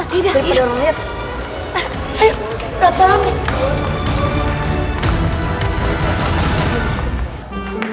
untuk proses ini